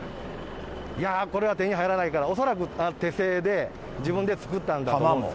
これは手に入らないから、恐らく手製で、自分で作ったんだと弾も。